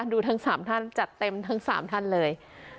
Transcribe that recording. ทั้ง๓ท่านจัดเต็มทั้ง๓ท่านเลย